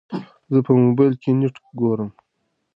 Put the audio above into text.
زه په موبايل کې نېټه ګورم.